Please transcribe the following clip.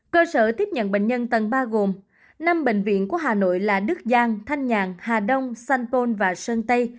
cơ sở tiếp nhận bệnh nhân tầng ba gồm năm bệnh viện của hà nội là đức giang thanh nhàn hà đông san pôn và sơn tây